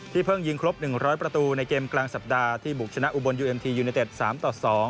เพิ่งยิงครบ๑๐๐ประตูในเกมกลางสัปดาห์ที่บุกชนะอุบลยูเอ็มทียูเนเต็ด๓ต่อ๒